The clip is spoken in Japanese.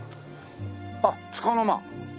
あっ「束ノ間」！